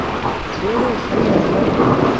ويڙي سهيٚ رک۔